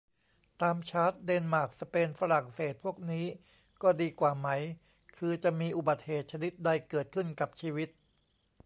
ตามชาร์ต เดนมาร์ก สเปน ฝรั่งเศส พวกนี้ก็ดีกว่าไหม คือจะมีอุบัติเหตุชนิดใดเกิดขึ้นกับชีวิต